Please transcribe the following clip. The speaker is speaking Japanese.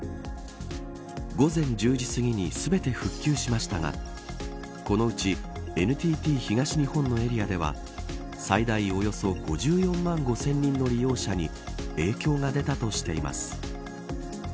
午前１０時すぎに全て復旧しましたがこのうちＮＴＴ東日本のエリアでは最大およそ５４万５０００人の利用者に影響が出たとしています。